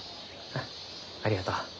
ああありがとう。